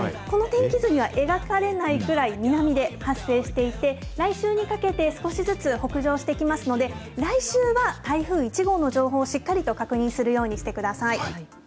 この天気図には描かれないくらい南で発生していて、来週にかけて、少しずつ北上してきますので、来週は台風１号の情報をしっかりと確認するようにしてください。